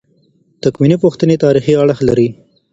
تکویني پوښتنې تاریخي اړخ لري.